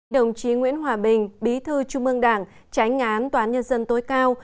đồng chí nguyễn hòa bình bí thư trung ương đảng tránh ngán toán nhân dân tối cao